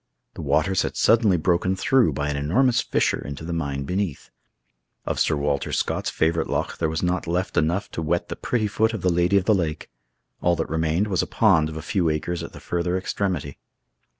The waters had suddenly broken through by an enormous fissure into the mine beneath. Of Sir Walter Scott's favorite loch there was not left enough to wet the pretty foot of the Lady of the Lake; all that remained was a pond of a few acres at the further extremity.